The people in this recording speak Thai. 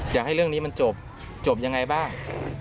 อยากให้เรื่องนี้มันจบจบยังไงบ้าง